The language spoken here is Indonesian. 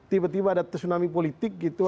tiba tiba ada tsunami politik gitu